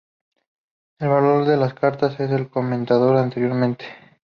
El valor de las cartas es el comentado anteriormente.